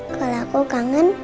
kalau aku kangen